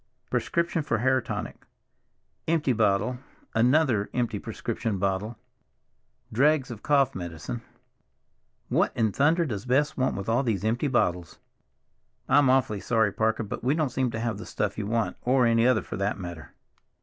Prescription for hair tonic; empty bottle—another empty prescription bottle—dregs of cough medicine. What in thunder does Bess want with all these empty bottles? I'm awfully sorry, Parker, but we don't seem to have the stuff you want, or any other, for that matter."